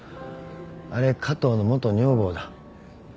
あれ加藤の元女房だ。